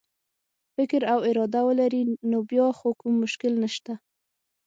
فکر او اراده ولري نو بیا خو کوم مشکل نشته.